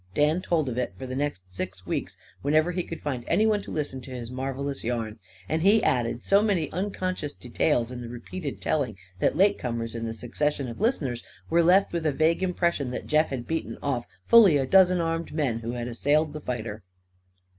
Dan told of it, for the next six weeks, whenever he could find anyone to listen to his marvellous yarn. And he added so many unconscious details in the repeated telling that late comers in the succession of listeners were left with a vague impression that Jeff had beaten off fully a dozen armed men who had assailed the fighter.